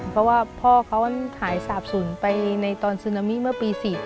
เพราะว่าพ่อเขาหายสาบศูนย์ไปในตอนซึนามิเมื่อปี๔๗